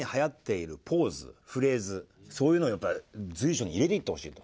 そういうのをやっぱり随所に入れていってほしいと。